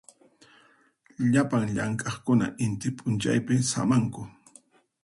Llapan llamk'aqkuna inti p'unchaypi samanku.